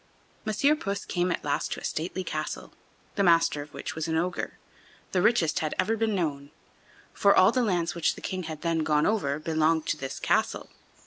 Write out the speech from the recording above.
Monsieur Puss came at last to a stately castle, the master of which was an ogre, the richest had ever been known; for all the lands which the King had then gone over belonged to this castle.